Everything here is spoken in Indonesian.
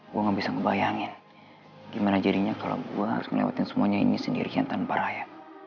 gue gak bisa ngebayangin gimana jadinya kalau gue harus ngelewatin semuanya ini sendirian tanpa raya